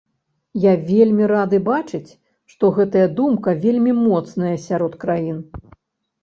Я вельмі рады бачыць, што гэтая думка вельмі моцная сярод краін.